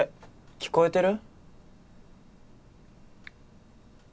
聞こえてる？